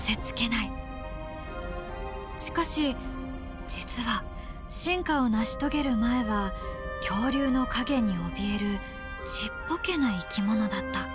しかし実は進化を成し遂げる前は恐竜の影におびえるちっぽけな生き物だった。